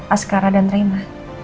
askara dan reina